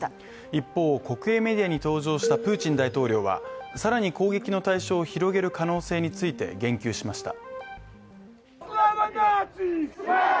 一方、国営メディアに登場したプーチン大統領は、さらに攻撃の対象を広げる可能性について言及しました。